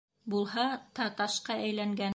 Булһа та ташҡа әйләнгән.